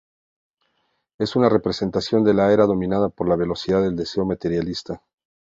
Es una representación de la era dominada por la velocidad del deseo materialista.